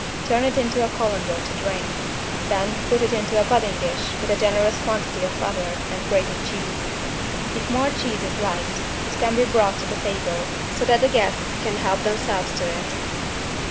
Turn it into a colander to drain; then put it into a pudding dish with a generous quantity of butter and grated cheese. If more cheese is liked, it can be brought to the table so that the guests can help themselves to it.